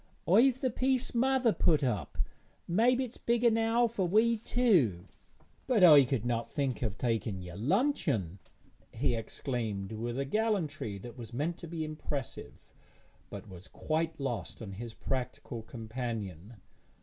'I've the piece mother put up, mebbe it's big enou' for we two.' 'But I could not think of taking your luncheon,' he exclaimed, with a gallantry that was meant to be impressive, but was quite lost on his practical companion.